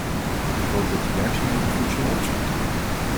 Ik hoop dat die werkzaamheden goed zullen opschieten.